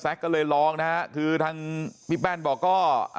แซ็กก็เลยลองครับคือที่พี่แป้นบอกก็